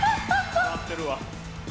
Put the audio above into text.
笑ってるわ。